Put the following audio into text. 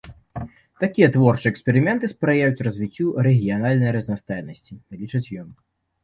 Такія творчыя эксперыменты спрыяюць развіццю рэгіянальнай разнастайнасці, лічыць ён.